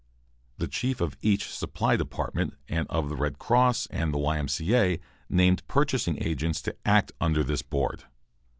The chief of each supply department and of the Red Cross and the Y. M. C. A. named purchasing agents to act under this board.